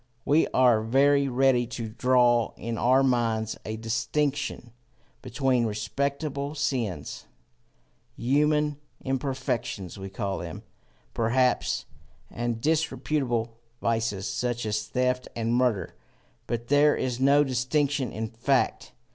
We are very ready to draw in our minds a distinction between respectable sins human imperfections we call them, perhaps and disreputable vices, such as theft and murder; but there is no such distinction in fact.